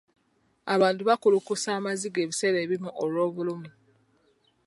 Abantu bakulukusa amaziga ebiseera ebimu olw'obulumi.